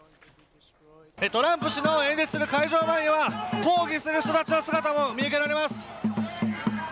トランプ氏の演説する会場の前には抗議する人たちの姿も見受けられます。